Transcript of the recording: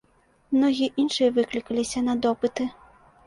Многія іншыя выклікаліся на допыты.